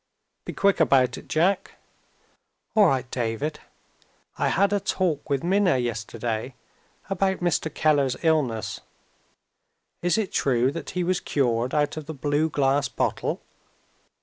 "Be quick about it, Jack." "All right, David. I had a talk with Minna yesterday, about Mr. Keller's illness. Is it true that he was cured out of the blue glass bottle?"